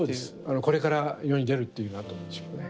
これから世に出るっていうようなとこでしょうね。